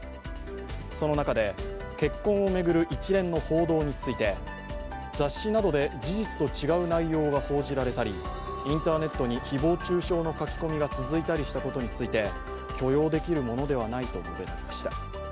その中で、結婚を巡る一連の報道について雑誌などで事実と違う内容が報じられたり、インターネットに誹謗中傷の書き込みが続いたことなどについて許容できるものではないと述べました。